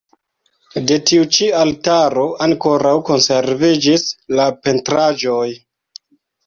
De tiu ĉi altaro ankoraŭ konserviĝis la pentraĵoj.